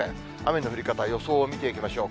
雨の降り方、予想を見ていきましょう。